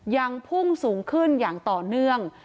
ยังพุ่งสูงขึ้นอย่างต่อเนื่อง